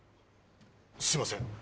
すいません